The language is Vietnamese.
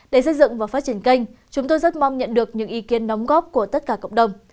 để xây dựng và phát triển kênh chúng tôi rất mong nhận được những ý kiến đóng góp của tất cả cộng đồng